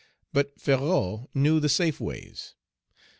But Ferrou knew the safe ways.